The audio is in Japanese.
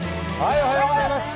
おはようございます。